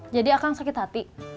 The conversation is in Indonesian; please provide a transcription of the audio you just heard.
jadi akan sakit hati